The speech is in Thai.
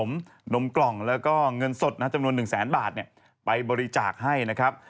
นมกล่องแล้วก็เงินสดจำนวน๑แสนบาทไปบริจาคให้นะครับ